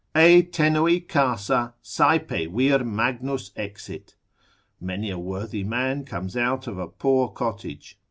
E tenui casa saepe vir magnus exit, many a worthy man comes out of a poor cottage.